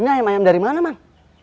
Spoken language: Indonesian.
ini ayam ayam dari mana